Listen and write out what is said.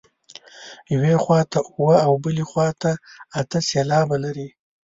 یوې خوا ته اووه او بلې ته اته سېلابه لري.